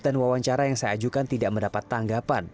dan wawancara yang saya ajukan tidak mendapat tanggapan